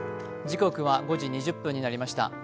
時刻は５時２０分になりました。